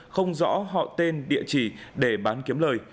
không rõ họ tên địa chỉ để bán kiếm lời